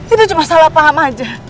ini cuma salah paham aja